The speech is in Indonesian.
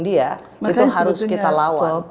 dia itu harus kita lawan